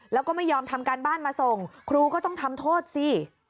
แล้วก็ไม่ยอมทำการบ้านมาส่งครูก็ต้องทำโทษสิ